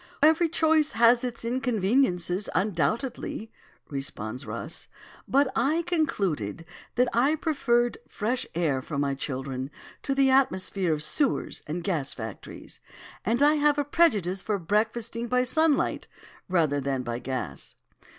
"Every choice has its inconveniences, undoubtedly," responds Rus, "but I concluded that I preferred fresh air for my children to the atmosphere of sewers and gas factories, and I have a prejudice for breakfasting by sunlight rather than by gas.